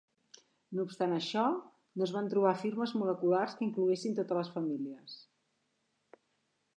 No obstant això, no es van trobar firmes moleculars que incloguessin totes les famílies.